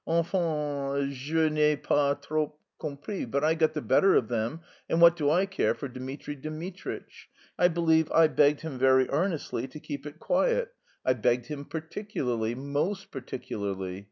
Enfin, je n'ai pas trop compris._ But I got the better of them, and what do I care for Dmitri Dmitritch? I believe I begged him very earnestly to keep it quiet; I begged him particularly, most particularly.